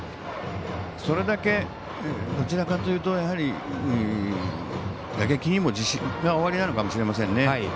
それだけどちらかというと打撃も自信がおありなのかもしれないですね。